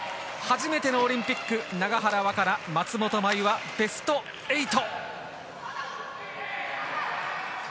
初めてのオリンピック永原和可那、松本麻佑はベスト８。